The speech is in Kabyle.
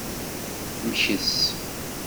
Mkes.